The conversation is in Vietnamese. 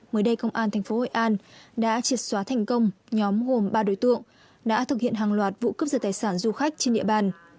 mới đây công an tp hội an đã triệt xóa thành công nhóm gồm ba đối tượng đã thực hiện hàng loạt vụ cướp giật tài sản du khách trên địa bàn